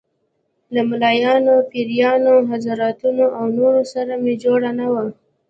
له ملايانو، پیرانو، حضرتانو او نورو سره مې جوړه نه وه.